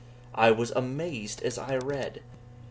I was amazed as I read.